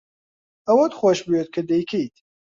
ئەوەت خۆش بوێت کە دەیکەیت.